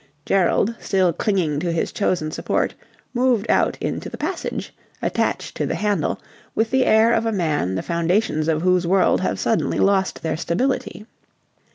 Gerald, still clinging to his chosen support, moved out into the passage, attached to the handle, with the air of a man the foundations of whose world have suddenly lost their stability.